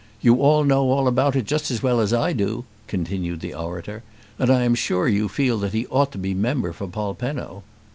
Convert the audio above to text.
"You all know all about it just as well as I do," continued the orator, "and I am sure you feel that he ought to be member for Polpenno."